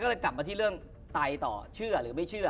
แล้วนั้นก็กลับมาที่เรื่องตายต่อเชื่อหรือไม่เชื่อ